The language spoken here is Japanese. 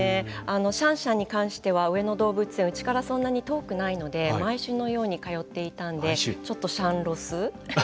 シャンシャンに関しては上野動物園うちからそんなに遠くないので毎週のように通っていたのでちょっとシャンロス。